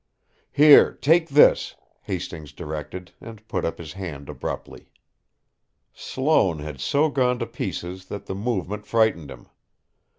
"Here! Take this!" Hastings directed, and put up his hand abruptly. Sloane had so gone to pieces that the movement frightened him.